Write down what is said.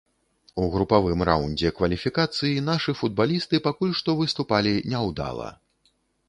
У групавым раундзе кваліфікацыі нашы футбалісты пакуль што выступалі няўдала.